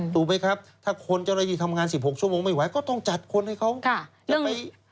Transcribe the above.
ถูกไหมครับถ้าคนเจ้าหน้าที่ทำงาน๑๖ชั่วโมงไม่ไหวก็ต้องจัดคนให้เขาอย่าไป